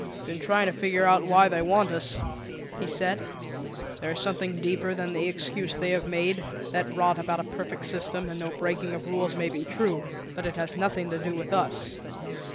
"Been trying to figure out why they want us," he said. "There is something deeper than the excuse they have made; that rot about a perfect system and no breaking of rules may be true, but it has nothing to do with us.